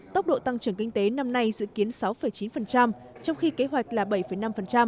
tốc độ tăng trưởng kinh tế năm nay dự kiến sáu chín trong khi kế hoạch là bảy năm